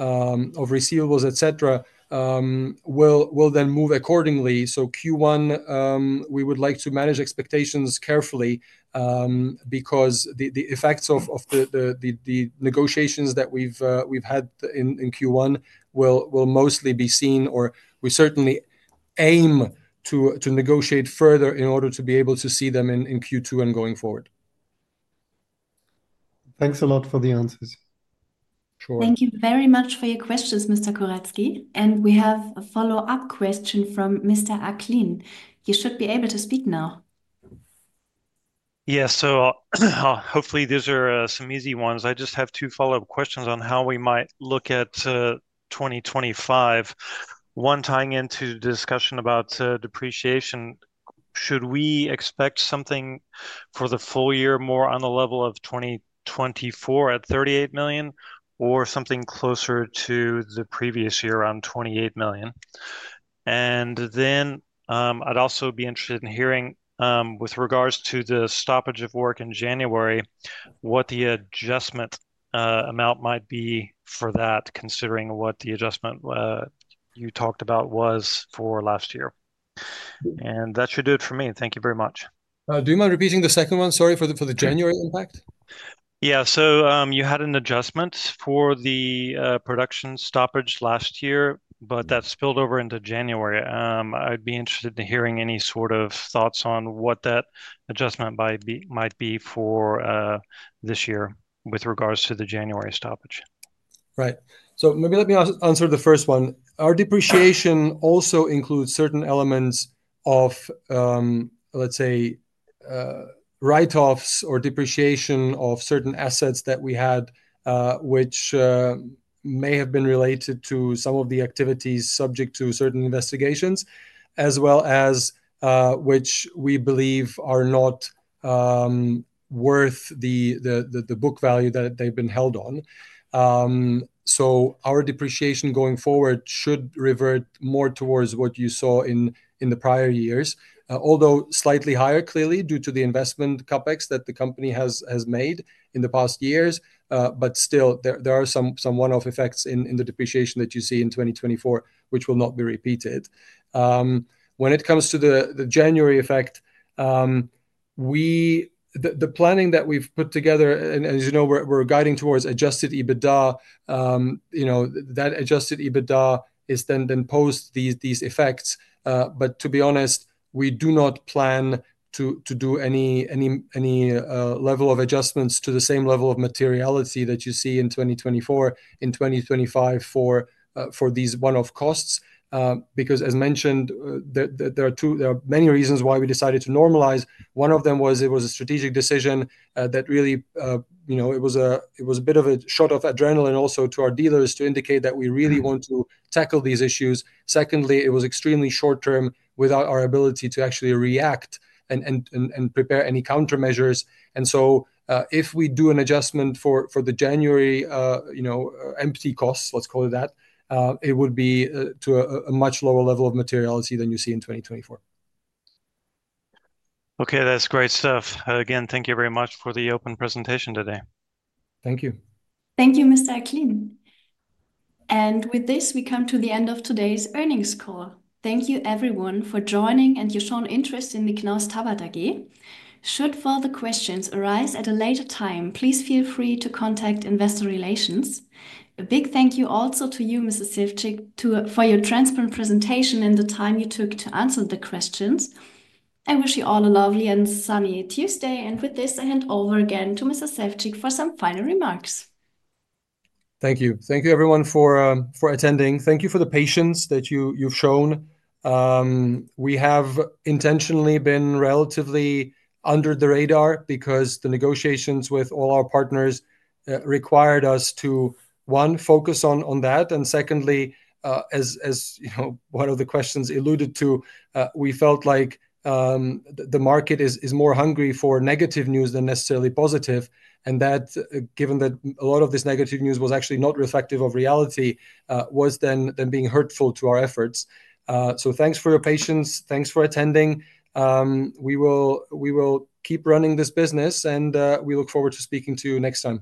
receivables, etc., will then move accordingly. Q1, we would like to manage expectations carefully because the effects of the negotiations that we've had in Q1 will mostly be seen, or we certainly aim to negotiate further in order to be able to see them in Q2 and going forward. Thanks a lot for the answers. Sure. Thank you very much for your questions, Mr. Koretzki. We have a follow-up question from Mr. Acklin. You should be able to speak now. Yeah, hopefully these are some easy ones. I just have two follow-up questions on how we might look at 2025. One tying into the discussion about depreciation. Should we expect something for the full year more on the level of 2024 at 38 million, or something closer to the previous year around 28 million? I would also be interested in hearing, with regards to the stoppage of work in January, what the adjustment amount might be for that, considering what the adjustment you talked about was for last year. That should do it for me. Thank you very much. Do you mind repeating the second one? Sorry, for the January impact? You had an adjustment for the production stoppage last year, but that spilled over into January. I would be interested in hearing any sort of thoughts on what that adjustment might be for this year with regards to the January stoppage. Right. Maybe let me answer the first one. Our depreciation also includes certain elements of, let's say, write-offs or depreciation of certain assets that we had, which may have been related to some of the activities subject to certain investigations, as well as which we believe are not worth the book value that they've been held on. Our depreciation going forward should revert more towards what you saw in the prior years, although slightly higher clearly due to the investment CapEx that the company has made in the past years. Still, there are some one-off effects in the depreciation that you see in 2024, which will not be repeated. When it comes to the January effect, the planning that we've put together, and as you know, we're guiding towards adjusted EBITDA, that adjusted EBITDA is then post these effects. To be honest, we do not plan to do any level of adjustments to the same level of materiality that you see in 2024, in 2025 for these one-off costs. Because as mentioned, there are many reasons why we decided to normalize. One of them was it was a strategic decision that really it was a bit of a shot of adrenaline also to our dealers to indicate that we really want to tackle these issues. Secondly, it was extremely short-term without our ability to actually react and prepare any countermeasures. If we do an adjustment for the January empty costs, let's call it that, it would be to a much lower level of materiality than you see in 2024. Okay, that's great stuff. Again, thank you very much for the open presentation today. Thank you. Thank you, Mr. Acklin. With this, we come to the end of today's earnings call. Thank you, everyone, for joining and your shown interest in Knaus Tabbert AG. Should further questions arise at a later time, please feel free to contact Investor Relations. A big thank you also to you, Mr. Sevcik, for your transparent presentation and the time you took to answer the questions. I wish you all a lovely and sunny Tuesday. With this, I hand over again to Mr. Sevcik for some final remarks. Thank you. Thank you, everyone, for attending. Thank you for the patience that you've shown. We have intentionally been relatively under the radar because the negotiations with all our partners required us to, one, focus on that. Secondly, as one of the questions alluded to, we felt like the market is more hungry for negative news than necessarily positive. Given that a lot of this negative news was actually not reflective of reality, it was then being hurtful to our efforts. Thanks for your patience. Thanks for attending. We will keep running this business, and we look forward to speaking to you next time.